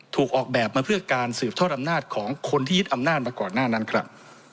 ออกแบบมาเพื่อการสืบทอดอำนาจของคนที่ยึดอำนาจมาก่อนหน้านั้นครับ